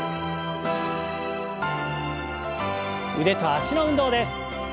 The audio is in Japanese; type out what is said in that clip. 腕と脚の運動です。